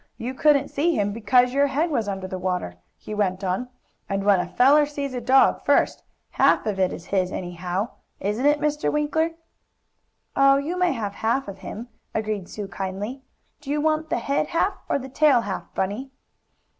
You couldn't see him 'cause your head was under the water," he went on, "and when a feller sees a dog first, half of it is his, anyhow; isn't it, Mr. Winkler?" "Oh, you may have half of him," agreed Sue kindly. "Do you want the head half, or the tail hall, Bunny?"